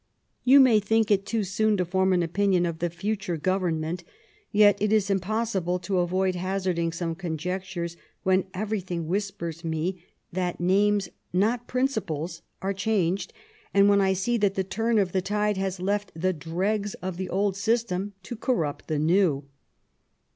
... You may think it too soon to form an opinion of the future goyem ment, yet it is impossible to ayoid hazarding some conjectures, when eyerything whispers me that names, not principles, are changed, and when I see that the turn of the tide has left the dregs of the old system to corrupt the new.